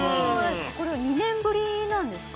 これは２年ぶりなんですか？